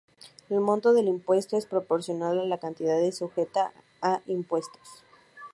El monto del impuesto es proporcional a la cantidad sujeta a impuestos.